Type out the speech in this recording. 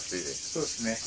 そうですね。